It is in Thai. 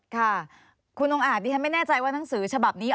ค่ะคุณองค์อาจดิฉันไม่แน่ใจว่าหนังสือฉบับนี้